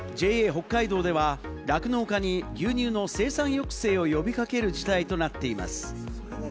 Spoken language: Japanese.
北海道では酪農家に牛乳の生産抑制を呼び掛ける事態となっています。